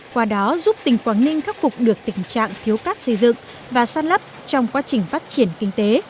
qua đó giúp tỉnh quảng ninh khắc phục được tình trạng thiếu cát xây dựng và sát lấp trong quá trình phát triển kinh tế